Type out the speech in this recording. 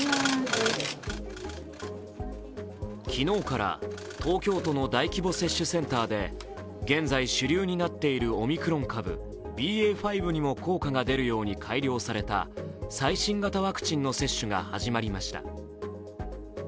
昨日から、東京都の大規模接種センターで現在主流になっているオミクロン株ＢＡ．５にも効果が出るように改良された最新型ワクチンの接種が始まりました。